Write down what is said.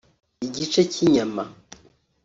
igice cy’inyama